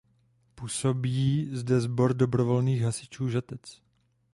Působí zde Sbor dobrovolných hasičů Žatec.